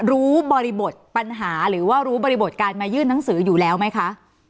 บริบทปัญหาหรือว่ารู้บริบทการมายื่นหนังสืออยู่แล้วไหมคะ